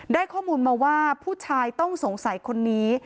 ได้ข้อมูลมาว่าผู้ชายต้องสงสัยคนนี้